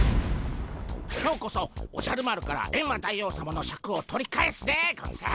今日こそおじゃる丸からエンマ大王さまのシャクを取り返すでゴンス。